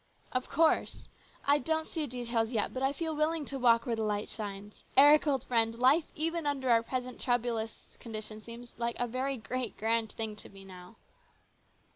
" Of course. I don't see details yet, but I feel willing to walk where the light shines. Eric, old friend, life even under our present troublous conditions seems like a very great, grand thing to me now."